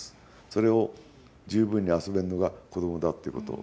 それを十分に遊べるのが子どもだっていうこと。